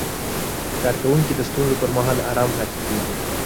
کارکوونکي د ستونزو پر مهال آرام پاتې کېږي.